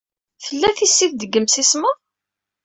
Tella tissit deg yemsismeḍ?